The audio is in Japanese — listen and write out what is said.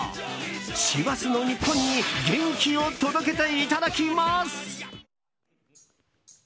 師走の日本に元気を届けていただきます！